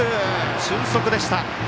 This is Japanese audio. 俊足でした。